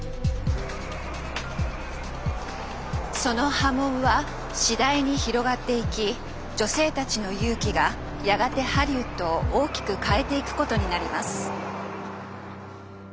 その波紋は次第に広がっていき女性たちの勇気がやがてハリウッドを大きく変えていくことになります。